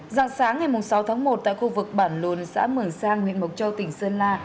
giàng sáng ngày sáu tháng một tại khu vực bản lùn xã mường sang huyện mộc châu tỉnh sơn la